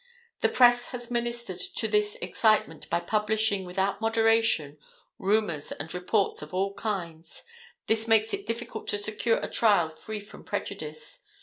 The press has ministered to this excitement by publishing, without moderation, rumors and reports of all kinds. This makes it difficult to secure a trial free from prejudice.